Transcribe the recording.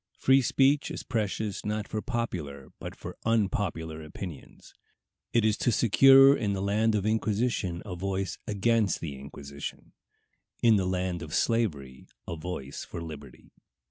Free speech is precious not for popular but for unpopular opinions. It is to secure in the land of the Inquisition a voice against the inquisition; in the land of slavery, a voice for liberty.